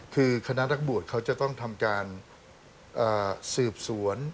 คือคณะนักบวชเขาจะต้องทำการสืบสวน